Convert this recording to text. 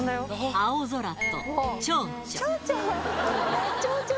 青空とちょうちょ。